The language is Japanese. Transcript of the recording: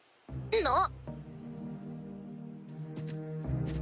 なっ？